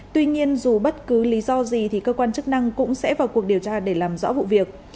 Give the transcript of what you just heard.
tuy nhiên dù bất cứ lý do gì thì cơ quan chức năng cũng sẽ vào cuộc điều tra để làm rõ vụ việc